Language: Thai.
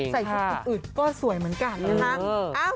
ใส่ชุดอื่นก็สวยเหมือนกันนะคะ